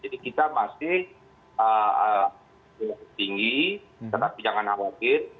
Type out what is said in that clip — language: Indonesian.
jadi kita masih tinggi tetap pinjangan awal bid